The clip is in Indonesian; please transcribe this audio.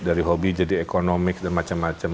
dari hobi jadi ekonomi dan macam macam